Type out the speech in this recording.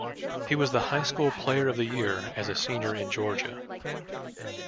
He was the high school player of the year as a senior in Georgia.